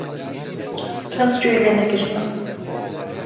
کەس گوێی لێنەگرتم.